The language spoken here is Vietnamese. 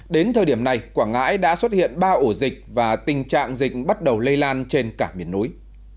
đến thời điểm này quảng ngãi đã xuất hiện ba ổ dịch và tình trạng dịch bắt đầu lây lan trên cả miền núi